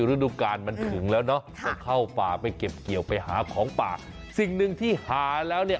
ฤดูกาลมันถึงแล้วเนอะก็เข้าป่าไปเก็บเกี่ยวไปหาของป่าสิ่งหนึ่งที่หาแล้วเนี่ย